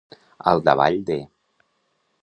Al davall de.